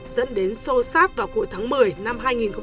dẫn đến sâu sát vào cuối tháng một mươi năm hai nghìn một mươi chín